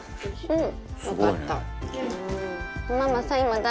うん。